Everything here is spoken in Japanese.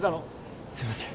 すいません。